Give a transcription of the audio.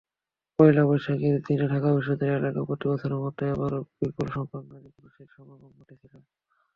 পয়লা বৈশাখের দিনে ঢাকা বিশ্ববিদ্যালয় এলাকায় প্রতিবছরের মতো এবারও বিপুলসংখ্যক নারী-পুরুষের সমাগম ঘটেছিল।